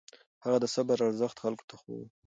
هغه د صبر ارزښت خلکو ته ښووه.